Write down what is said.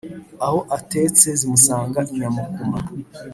aho atetse zimusanga i nyamukuma.